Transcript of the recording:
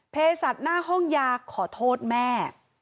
สัตว์หน้าห้องยาขอโทษแม่